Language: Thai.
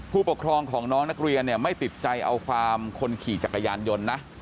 ผู้ปกครองของน้องนักเรียนเนี่ยไม่ติดใจเอาความคนขี่จักรยานยนต์นะ